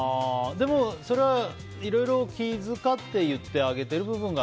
でも、それはいろいろ気遣って言ってあげてる部分？